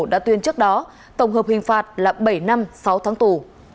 đã tuyên trước đó tổng hợp hình phạt là bảy năm sáu tháng tù